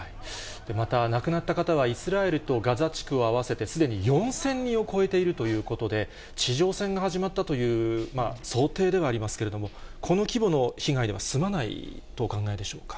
また、亡くなった方はイスラエルとガザ地区を合わせてすでに４０００人を超えているということで、地上戦が始まったという想定ではありますけれども、この規模の被害では済まないとお考えでしょうか。